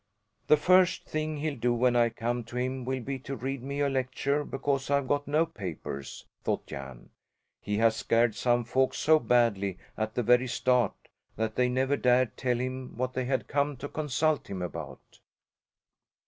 "The first thing he'll do when I come to him will be to read me a lecture because I've got no papers," thought Jan. "He has scared some folks so badly at the very start that they never dared tell him what they had come to consult him about."